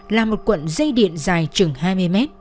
là một cuộn dây điện dài chừng hai mươi mét